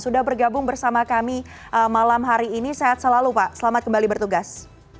sudah bergabung bersama kami malam hari ini sehat selalu pak selamat kembali bertugas